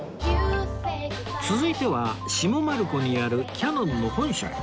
続いては下丸子にあるキヤノンの本社へ